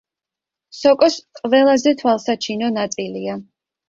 სოკოს ყველაზე თვალსაჩინო ნაწილია.